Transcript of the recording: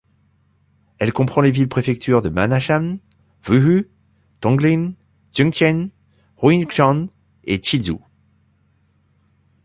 Elle comprend les villes-préféctures de Ma'anshan, Wuhu, Tongling, Xuancheng, Huangshan et Chizhou.